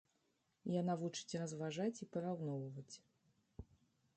Яна вучыць разважаць і параўноўваць.